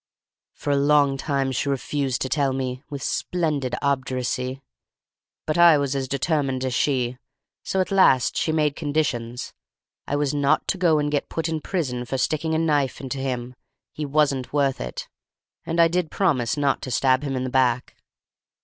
"For a long time she refused to tell me, with splendid obduracy; but I was as determined as she; so at last she made conditions. I was not to go and get put in prison for sticking a knife into him—he wasn't worth it—and I did promise not to stab him in the back.